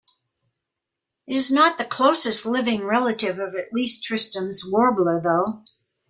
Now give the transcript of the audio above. It is not the closest living relative of at least Tristram's warbler though.